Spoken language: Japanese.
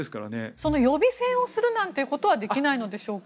その予備選をするなんてことはできないんでしょうか。